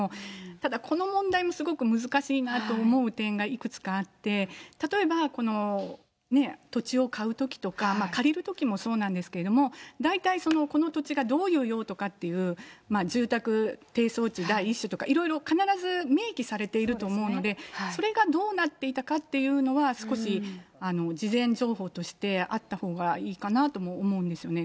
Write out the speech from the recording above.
ただ、この問題もすごく難しいなと思う点がいくつかあって、例えば、このね、土地を買うときとか、借りるときもそうなんですけども、大体この土地がどういう用途かっていう、住宅ていそうち第１種とか、いろいろ必ず明記されていると思うので、それがどうなっていたのかっていうのは、少し事前情報としてあったほうがいいかなとも思うんですよね。